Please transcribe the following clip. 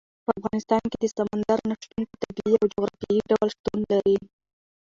په افغانستان کې د سمندر نه شتون په طبیعي او جغرافیایي ډول شتون لري.